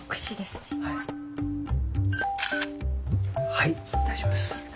はい大丈夫です。